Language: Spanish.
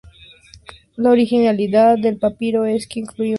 La originalidad del papiro es que incluye un mapa.